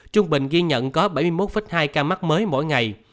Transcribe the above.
trung bình ghi nhận có bảy mươi một hai ca mắc mới mỗi ngày